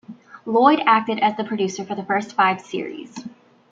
Lloyd acted as the producer for the first five series.